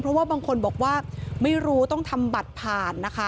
เพราะว่าบางคนบอกว่าไม่รู้ต้องทำบัตรผ่านนะคะ